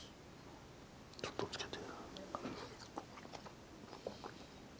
ちょっとつけて。